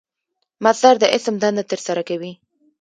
مصدر د اسم دنده ترسره کوي.